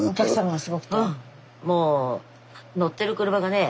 もう乗ってる車がね